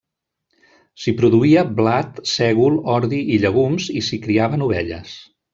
S'hi produïa blat, sègol, ordi i llegums, i s'hi criaven ovelles.